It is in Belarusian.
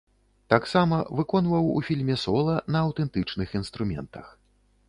Таксама выконваў ў фільме сола на аўтэнтычных інструментах.